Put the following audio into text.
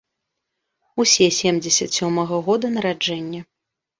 Усе семдзесят сёмага года нараджэння.